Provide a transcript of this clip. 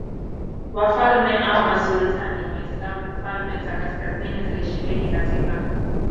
wafalme au masultani Waislamu Falme za kaskazini zilishiriki katika